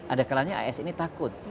ada kalanya as ini takut